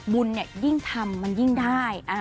บุญเนี่ยยิ่งทำมันยิ่งได้